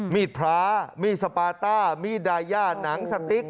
มีดพระมีดสปาต้ามีดดายาหนังสติ๊ก